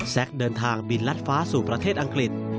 เดินทางบินลัดฟ้าสู่ประเทศอังกฤษ